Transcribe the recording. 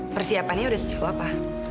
persiapannya udah sejauh apa